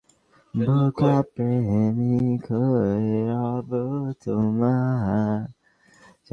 কারণ নারীরা পুরুষের কাছে গিয়ে প্রয়োজনীয় সেবা নিতে সংকোচ বোধ করেন।